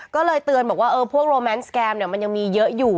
ก็เลยเตือนบอกว่าพวกโรแมนสแกมมันยังมีเยอะอยู่